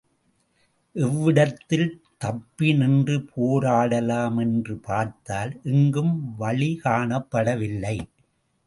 எவ்விடத்தில் தப்பி நின்று போராடலாம் என்று பார்த்தால் எங்கும் வழி காணப்படவில்லை.